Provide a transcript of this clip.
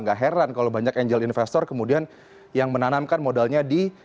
gak heran kalau banyak angel investor kemudian yang menanamkan modalnya di